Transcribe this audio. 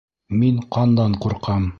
Мин ҡандан ҡурҡам!